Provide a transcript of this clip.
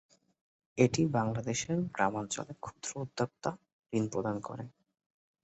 এটি বাংলাদেশের গ্রামাঞ্চলে ক্ষুদ্র উদ্যোক্তা ঋণ প্রদান করে।